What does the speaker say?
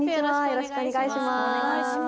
よろしくお願いします